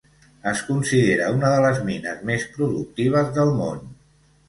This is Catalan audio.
Es considera una de les mines més productives del món.